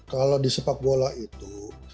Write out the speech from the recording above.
kalau di sepak bola itu